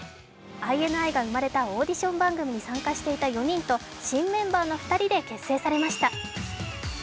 ＩＮＩが生まれたオーディション番組に参加していた４人と新メンバーの２人で結成されました